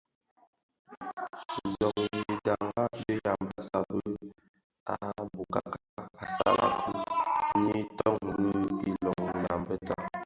Zonйyi dharèn dhi Yambassa be a bokaka assalaKon=ňyi toň bil iloň Yambéta.